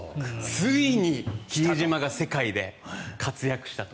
ついに比江島が世界で活躍したと。